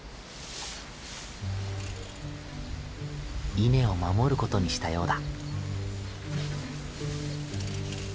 稲を守ることにしたようだ。